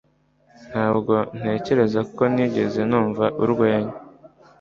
ntabwo ntekereza ko nigeze numva urwenya